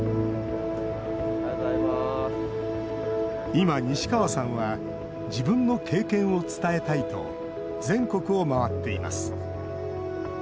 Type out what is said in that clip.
今、西川さんは自分の経験を伝えたいと全国を回っています。